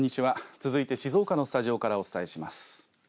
続いて静岡のスタジオからお伝えします。